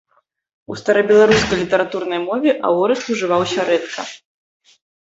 У старабеларускай літаратурнай мове аорыст ужываўся рэдка.